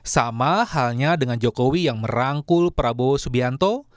sama halnya dengan jokowi yang merangkul prabowo subianto